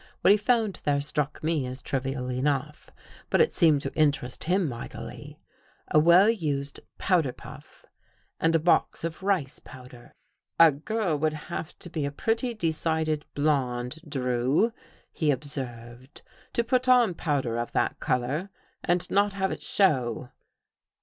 What he found there struck me as trivial enough, but it seemed to interest him mightily. A well used pow der puff and a box of rice powder. " A girl would have to be a pretty decided blonde, Drew," he observed, " to put on powder of that color and not have it show."